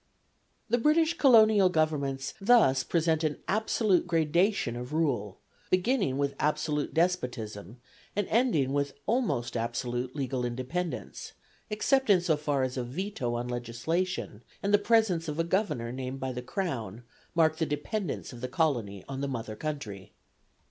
The British Colonial Governments thus present an absolute gradation of rule; beginning with absolute despotism and ending with almost absolute legal independence, except in so far as a veto on legislation and the presence of a Governor named by the Crown mark the dependence of the colony on the mother country.